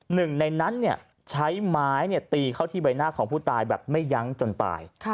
หนึ่งในนั้นใช้ไม้ตีเข้าที่ใบหน้าของผู้ตายแบบไม่ยั้งจนตาย